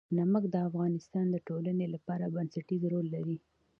نمک د افغانستان د ټولنې لپاره بنسټيز رول لري.